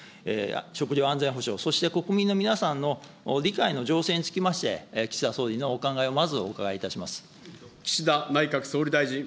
食料安全保障、そして国民の皆さんの理解の醸成について岸田総理のお考えをまずお伺いいたします。